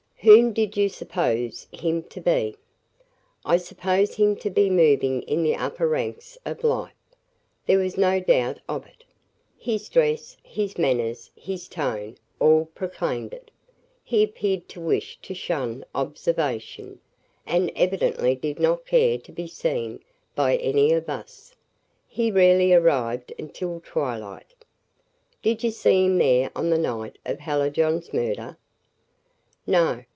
"Whom did you suppose him to be?" "I supposed him to be moving in the upper ranks of life. There was no doubt of it. His dress, his manners, his tone, all proclaimed it. He appeared to wish to shun observation, and evidently did not care to be seen by any of us. He rarely arrived until twilight." "Did you see him there on the night of Hallijohn's murder?" "No.